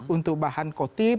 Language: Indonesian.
untuk bahan kotip